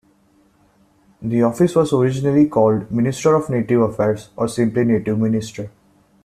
The office was originally called Minister of Native Affairs, or simply Native Minister.